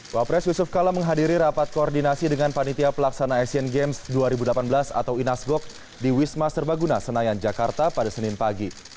wapres yusuf kala menghadiri rapat koordinasi dengan panitia pelaksana asian games dua ribu delapan belas atau inasgok di wisma serbaguna senayan jakarta pada senin pagi